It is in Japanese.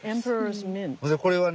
これはね